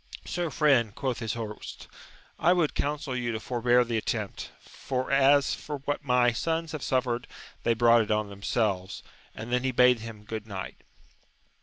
Sir friend, quoth his host, I would counsel you to forbear the attempt, for as for what my sons have suffered they brought it on themselves; and then he bade him good night.